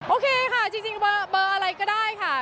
โอเคค่ะจริงเบอร์อะไรก็ได้ค่ะ